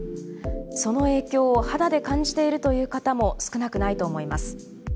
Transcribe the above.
その影響を肌で感じているという方も少なくないと思います。